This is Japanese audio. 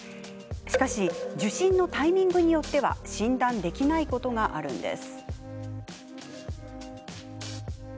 しかし受診のタイミングによっては診断できないことがあるんです。